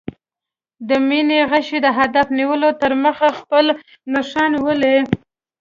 د مینې غشی د هدف نیولو تر مخه خپل نښان ولي.